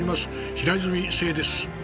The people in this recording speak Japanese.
平泉成です。